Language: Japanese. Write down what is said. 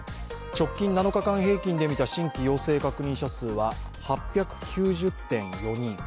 直近７日間平均で見た新規陽性確認者数は８９０．４人